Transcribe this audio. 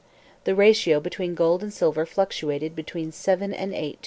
The ratio between gold and silver fluctuated between 7 and 8 to 1.